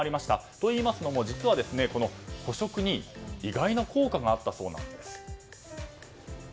といいますのも、実は個食に意外な効果があったそうなんです。